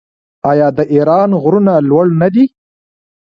آیا د ایران غرونه لوړ نه دي؟